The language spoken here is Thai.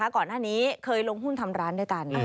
ก่อนหน้านี้เคยลงหุ้นทำร้านด้วยกัน